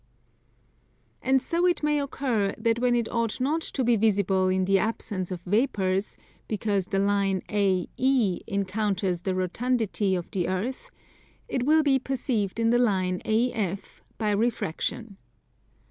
And so it may occur that when it ought not to be visible in the absence of vapours, because the line AE encounters the rotundity of the Earth, it will be perceived in the line AF by refraction.